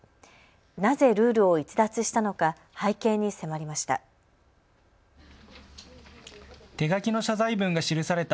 なぜルールを逸脱したのか背景に迫りました。